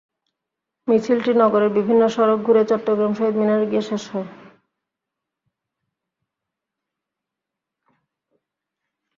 মিছিলটি নগরের বিভিন্ন সড়ক ঘুরে চট্টগ্রাম শহীদ মিনারে গিয়ে শেষ হয়।